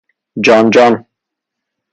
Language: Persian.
جان جان